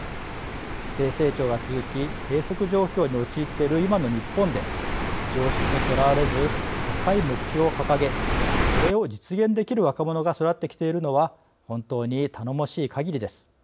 低成長が続き閉そく状況に陥っている今の日本で、常識にとらわれず高い目標を掲げそれを実現できる若者が育ってきているのは本当に頼もしいかぎりです。